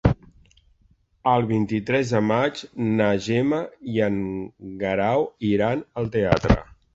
El vint-i-tres de maig na Gemma i en Guerau iran al teatre.